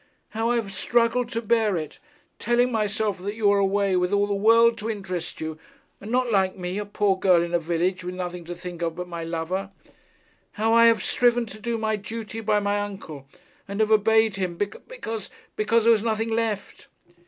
How I have struggled to bear it, telling myself that you were away, with all the world to interest you, and not like me, a poor girl in a village, with no thing to think of but my lover! How I have striven to do my duty by my uncle, and have obeyed him, because, because, because, there was nothing left.